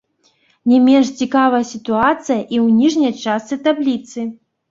Не менш цікавая сітуацыя і ў ніжняй частцы табліцы.